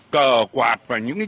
cờ quạt và những cái